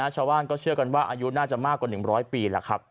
ชาวบ้านก็เชื่อกันว่าอายุน่าจะมากกว่า๑๐๐ปีแล้วครับ